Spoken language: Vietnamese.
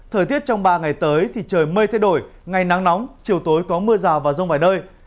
thời tiết trong ba ngày tới thì trời mây thay đổi ngày nắng nóng chiều tối có mưa rào và rông vài nơi